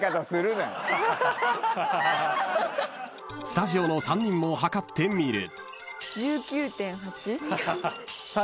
［スタジオの３人も測ってみる］